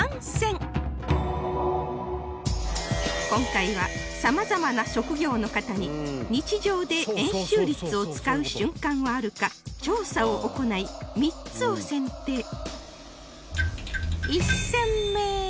今回はさまざまな職業の方に日常で円周率を使う瞬間はあるか調査を行い３つを選定